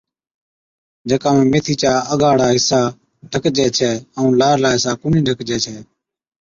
جڪا ۾ ميٿِي چا اگا ھاڙا حصا ڍڪجَي ڇَي ائُون لارلا حصا ڪونھِي ڍڪجَي ڇَي